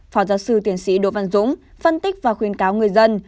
phó giáo sư tiến sĩ đỗ văn dũng phân tích và khuyến cáo người dân